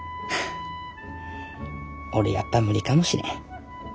俺やっぱ無理かもしれん。